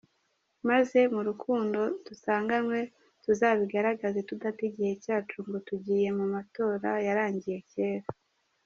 Maze, m’Urukundo dusanganywe, tuzabigaragaze tudata igihe cyacu ngo tugiye mu matora yarangiye cyera.